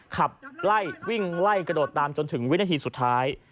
ขับไล่วิ่งไล่กระโดดตามจนถึงวินาทีสุดท้าย